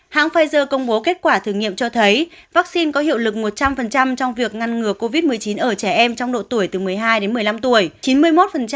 hãng pfizer công bố kết quả thử nghiệm cho thấy vaccine có hiệu lực một trăm linh trong việc ngăn ngừa covid một mươi chín ở trẻ em trong độ tuổi từ một mươi hai đến một mươi năm tuổi chín mươi một